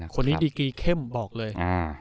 คนนี้ดีกีเข้มบอกเลย